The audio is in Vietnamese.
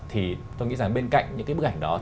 thì tôi nghĩ rằng bên cạnh những cái bức ảnh đó